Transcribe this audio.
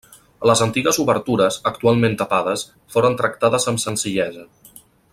Les antigues obertures, actualment tapades, foren tractades amb senzillesa.